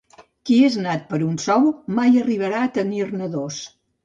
Qui és nat per un sou, mai arriba a tenir-ne dos.